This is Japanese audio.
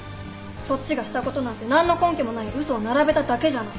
そっちがしたことなんて何の根拠もない嘘を並べただけじゃない。